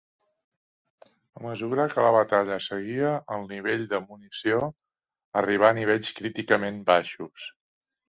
A mesura que la batalla seguia, el nivell de munició arribà a nivells críticament baixos.